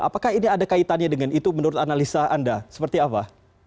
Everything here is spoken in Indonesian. apakah ini ada kaitannya dengan itu menurut analisa anda seperti apa